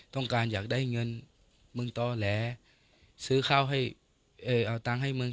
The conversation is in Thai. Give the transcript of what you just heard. ต้องการอยากได้เงินมึงต่อแหลซื้อข้าวให้เอาตังค์ให้มึง